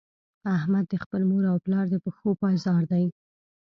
احمد د خپل مور او پلار د پښو پایزار دی.